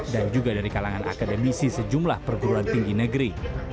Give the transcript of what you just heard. dan juga dari kalangan akademisi sejumlah perguruan tinggi negeri